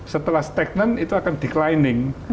setelah stagnant itu akan declining